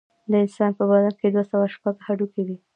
د انسان په بدن کې دوه سوه شپږ هډوکي دي